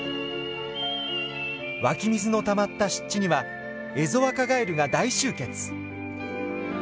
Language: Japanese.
湧き水のたまった湿地にはエゾアカガエルが大集結。